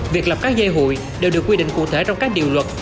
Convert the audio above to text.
việc lập các dây hụi đều được quy định cụ thể trong các điều luật